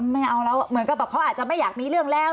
ไม่เอาแล้วเหมือนกับแบบเขาอาจจะไม่อยากมีเรื่องแล้ว